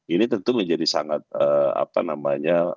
ini tentu menjadi sangat apa namanya